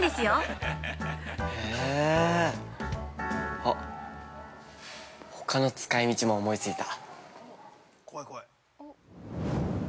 あっ、ほかの使いみちも思いついた。